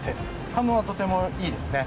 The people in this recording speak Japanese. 反応はとてもいいですね。